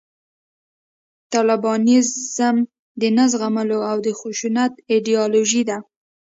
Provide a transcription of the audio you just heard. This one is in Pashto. طالبانیزم د نه زغملو او د خشونت ایدیالوژي ده